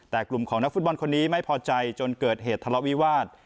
แต่กลุ่มของนักฟุตบอลคนนี้ไม่พอใจจนเกิดเหตุทะเลาะวิวาส